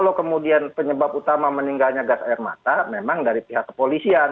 kalau kemudian penyebab utama meninggalnya gas air mata memang dari pihak kepolisian